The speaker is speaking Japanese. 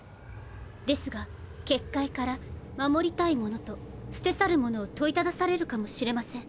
ですが結界から「護りたいもの」と「捨て去るもの」を問いただされるかもしれません。